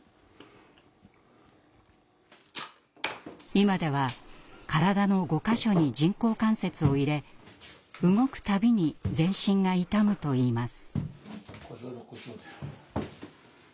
今では体の５か所に人工関節を入れ動く度に全身が痛むといいます。